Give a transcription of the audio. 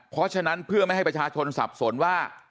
เพราะฉะนั้นเพื่อไม่ให้ประชาชนสับสนว่า